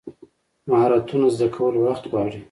مهارتونه زده کول وخت غواړي.